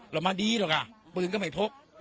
เรามาดีหรอกอ่ะปืนก็ไม่พก